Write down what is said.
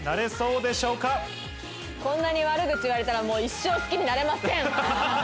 こんなに悪口言われたらもう一生好きになれません！